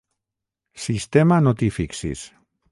Sistema no t'hi fixis.